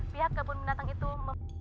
pihak kebun binatang itu